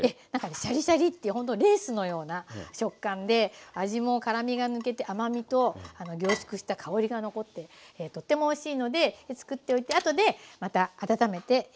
シャリシャリってほんとレースのような食感で味も辛みが抜けて甘みと凝縮した香りが残ってとてもおいしいので作っておいて後でまた温めてかけていきます。